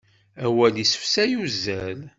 Awal isefsay uzzal.